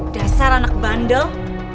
dasar anak bandel